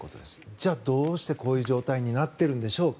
じゃあ、どうしてこういう状態になっているんでしょうか。